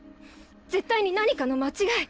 絶対に何かの間違い。